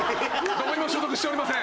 どこにも所属してません。